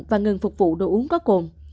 và ngừng phục vụ đồ uống có cồn